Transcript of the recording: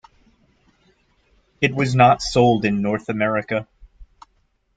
It was not sold in North America.